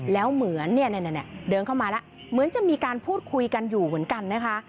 แล้วเหมือนเนี่ยเดินเข้ามาแล้วเหมือนจะมีการพูดคุยกันอยู่เหมือนกันนะคะ